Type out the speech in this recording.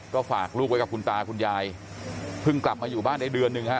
ก็ฝากลูกไว้กับคุณตาคุณยายเพิ่งกลับมาอยู่บ้านได้เดือนหนึ่งฮะ